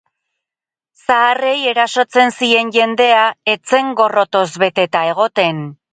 Zaharrei erasotzen zien jendea ez zen gorrotoz beteta egoten.